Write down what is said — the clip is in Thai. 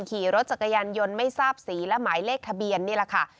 ขี่รถจักรยานยนต์ไม่ทราบสีและหมายเลขทะเบียนนี่แหละค่ะ